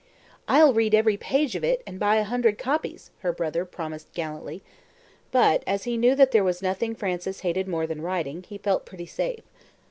"I'll read every page of it and buy a hundred copies," her brother promised gallantly; but, as he knew that there was nothing Frances hated more than writing, he felt pretty safe.